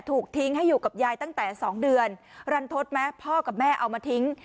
ถูกทิ้งให้อยู่กับยายตั้งแต่สองเดือนรันทศไหมพ่อกับแม่เอามาทิ้ง